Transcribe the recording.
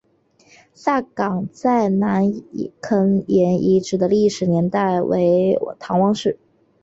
下岗再南坎沿遗址的历史年代为唐汪式。